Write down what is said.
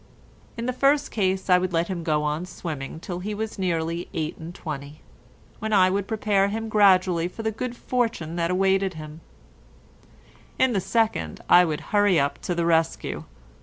In the first case I would let him go on swimming till he was nearly eight and twenty, when I would prepare him gradually for the good fortune that awaited him; in the second I would hurry up to the rescue.